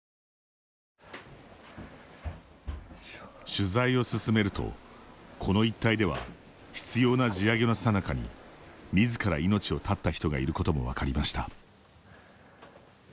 取材を進めると、この一帯では執ような地上げのさなかにみずから命を絶った人がいることも分かりました。